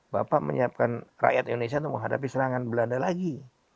bapak menyiapkan rakyat indonesia untuk menghadapi serangan belanda lagi